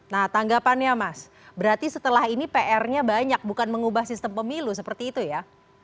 nah tanggapannya mas berarti setelah ini pr nya banyak bukan mengubah sistem pemilu seperti itu ya